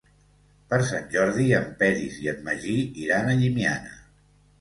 Per Sant Jordi en Peris i en Magí iran a Llimiana.